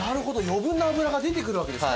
余分な脂が出てくるわけですね。